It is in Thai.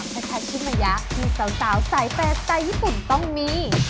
ไป